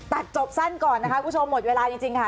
จบสั้นก่อนนะคะคุณผู้ชมหมดเวลาจริงค่ะ